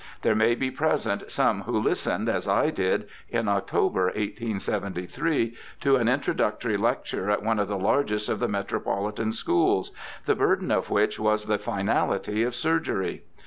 There may be present some who Hstened, as I did in October, 1873, to an introductory lecture at one of the largest of the metropolitan schools, the burden of which was the finality of surgery.